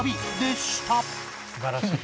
素晴らしい。